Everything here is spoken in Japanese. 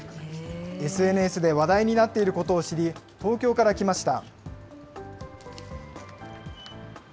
ＳＮＳで話題になっていることを知り、東京から来ました。